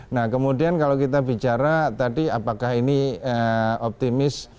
nah kemudian kalau kita bicara tadi apakah ini optimis